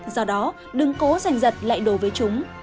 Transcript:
do đó đừng cố giành giật lại đồ với chúng